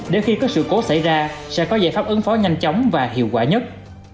để khi có sự cố xảy ra sẽ có giải pháp ứng phó nhanh chóng và hiệu quả nhất